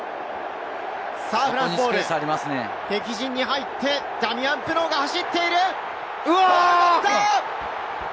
フランスボール、敵陣に入って、ダミアン・プノーが走っている！